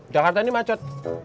jakarta ini macet